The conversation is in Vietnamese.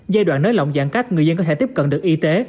giai đoạn nới lỏng giãn cách người dân có thể tiếp cận được y tế